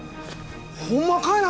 ホンマかいな！